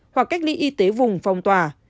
hoặc cách ly y tế vùng phòng tòa